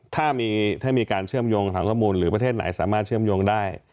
ถ้ามีการเชื่อมโยงถามข้อมูลหรือประเทศไหนสามารถเชื่อมโยงได้